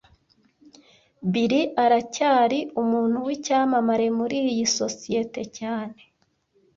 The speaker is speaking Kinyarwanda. Bill aracyari umuntu w'icyamamare muri iyi sosiyete cyane